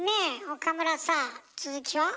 岡村さあ続きは？